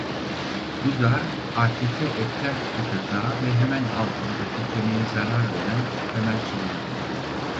Bu da artrite eklem kıkırdağı ve hemen altındaki kemiğe zarar veren temel sorundur.